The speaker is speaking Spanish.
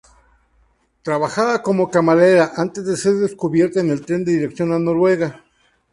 Trabajaba como camarera antes de ser descubierta en un tren en dirección a Noruega.